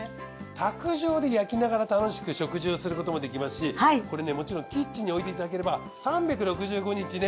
卓上で焼きながら楽しく食事をすることもできますしこれねもちろんキッチンに置いていただければ３６５日ね